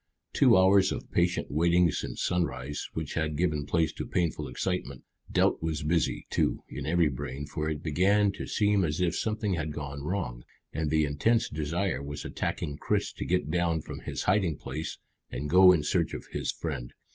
Two hours of patient waiting since sunrise, which had given place to painful excitement. Doubt was busy, too, in every brain, for it began to seem as if something had gone wrong, and the intense desire was attacking Chris to get down from his hiding place and go in search of his friend.